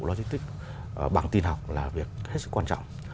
logistics bằng tin học là việc hết sức quan trọng